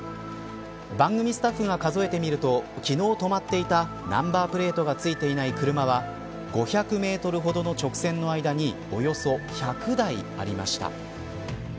番組スタッフが数えてみると昨日止まっていたナンバープレートが付いていない車は５００メートルほどの直線の間におよそ１００台ありました。